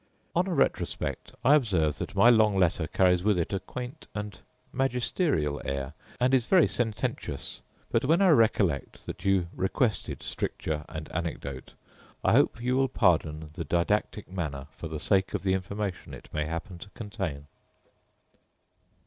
On a retrospect, I observe that my long letter carries with it a quaint and magisterial air, and is very sententious: but, when I recollect that you requested stricture and anecdote, I hope you will pardon the didactic manner for the sake of the information it may happen to contain.